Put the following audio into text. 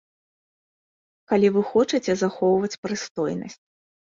Калі вы хочаце захоўваць прыстойнасць.